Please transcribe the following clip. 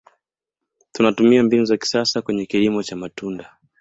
tunatumia mbinu za kisasa kwenye kilimo cha matunda